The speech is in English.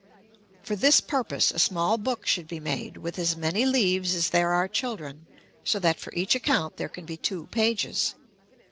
For this purpose a small book should be made, with as many leaves as there are children, so that for each account there can be two pages.